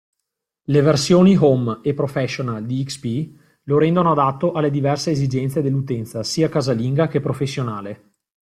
Le versioni Home e Professional di XP, lo rendono adatto alle diverse esigenze dell'utenza sia casalinga che professionale.